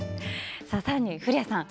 さらに古谷さん